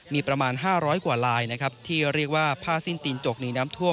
มีประมาณ๕๐๐กว่าลายนะครับที่เรียกว่าผ้าสิ้นตีนจกมีน้ำท่วม